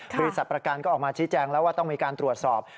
บริษัทประกันก็ออกมาชี้แจงแล้วว่าต้องมีการตรวจสอบ